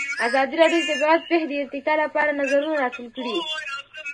ازادي راډیو د طبیعي پېښې د ارتقا لپاره نظرونه راټول کړي.